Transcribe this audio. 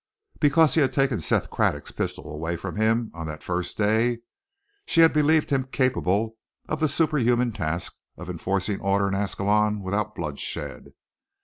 Because he had taken Seth Craddock's pistol away from him on that first day, she had believed him capable of the superhuman task of enforcing order in Ascalon without bloodshed.